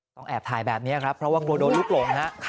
แอบถ่ายแบบนี้ครับเพราะว่ากลัวโดนลูกหลงฮะ